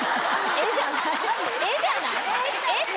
「え」じゃない？